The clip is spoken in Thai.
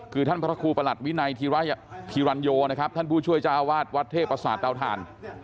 คือท่านพระครูประหลัดวินัยธิรัญโยนะครับท่านผู้ช่วยเจ้าอาวาสวัดเทพประสาทเตาถ่าน